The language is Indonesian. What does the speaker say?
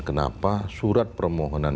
kenapa surat permohonan